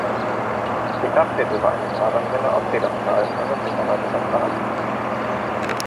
Die Kraft wird über eine Kardanwelle aus Federstahl an das Hinterrad übertragen.